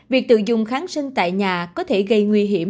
việc tự dùng kháng sinh tại nhà có thể gây nguy hiểm